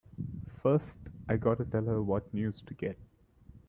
First I gotta tell her what news to get!